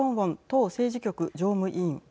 党政治局常務委員。